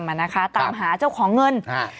มานะคะตามหาเจ้าของเงินฮะ